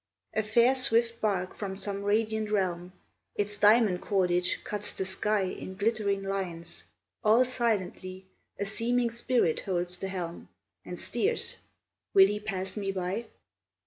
A fair, swift bark from some radiant realm, Its diamond cordage cuts the sky In glittering lines; all silently A seeming spirit holds the helm And steers: will he pass me by?